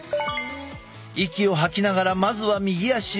息を吐きながらまずは右足を。